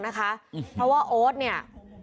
เพราะว่าโอ๊ตเนี่ย